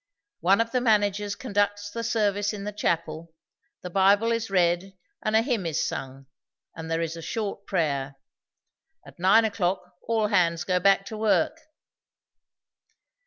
One of the managers conducts the service in the chapel; the Bible is read, and a hymn is sung, and there is a short prayer. At nine o'clock all hands go back to work."